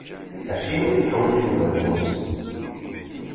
Acimi i yeḥwaǧ Yuba lmus?